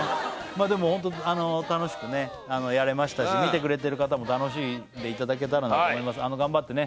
でもホント楽しくねやれましたし見てくれてる方も楽しんでいただけたらなと思います頑張ってね